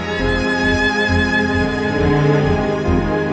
aku akan menjaga kain hajam